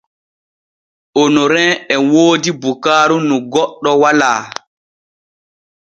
Onorin e woodi bukaaru nu goɗɗo walaa.